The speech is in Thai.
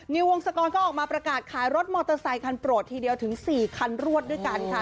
วงศกรก็ออกมาประกาศขายรถมอเตอร์ไซคันโปรดทีเดียวถึง๔คันรวดด้วยกันค่ะ